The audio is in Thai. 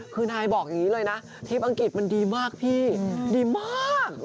คือนายบอกอย่างนี้เลยนะทริปอังกฤษมันดีมากพี่ดีมาก